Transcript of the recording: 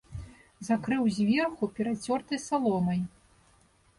Закрыў зверху перацёртай саломай.